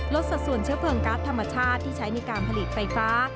สัดส่วนเชื้อเพลิงการ์ดธรรมชาติที่ใช้ในการผลิตไฟฟ้า